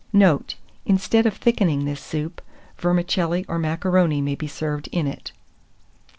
Note. Instead of thickening this soup, vermicelli or macaroni may be served in it.